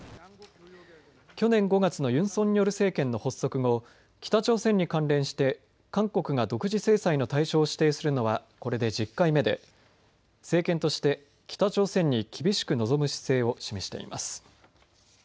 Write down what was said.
去年５月のユン・ソンニョル政権の発足後、北朝鮮に関連して韓国が独自制裁の対象を指定するのはこれで１０回目で政権として北朝鮮に厳しく臨む姿勢を示しています。